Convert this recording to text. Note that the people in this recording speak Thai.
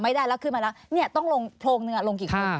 ไม่ได้แล้วขึ้นมาแล้วต้องโพงหนึ่งลงกี่คน